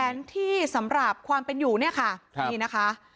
แผนที่สำหรับความเป็นอยู่เนี่ยค่ะ